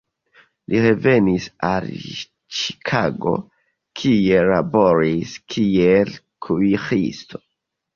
Li revenis al Ĉikago, kie laboris kiel kuiristo.